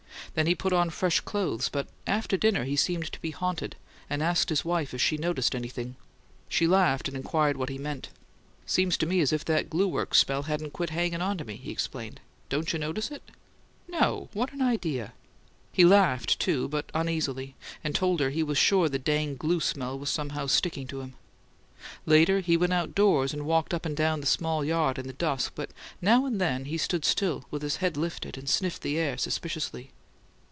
Then he put on fresh clothes; but after dinner he seemed to be haunted, and asked his wife if she "noticed anything." She laughed and inquired what he meant. "Seems to me as if that glue works smell hadn't quit hanging to me," he explained. "Don't you notice it?" "No! What an idea!" He laughed, too, but uneasily; and told her he was sure "the dang glue smell" was somehow sticking to him. Later, he went outdoors and walked up and down the small yard in the dusk; but now and then he stood still, with his head lifted, and sniffed the air suspiciously.